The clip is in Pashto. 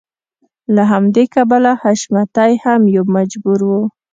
له همدې کبله حشمتی هم يو څه مجبور و.